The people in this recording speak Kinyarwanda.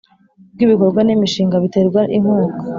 Rw ibikorwa n imishinga biterwa inkunga